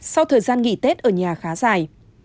sau thời gian nghỉ tết ở nhà khá dài